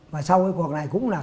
và sau cái cuộc này cũng là